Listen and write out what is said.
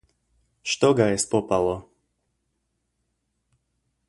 Što ga je spopalo?